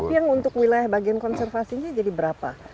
tapi yang untuk wilayah bagian konservasinya jadi berapa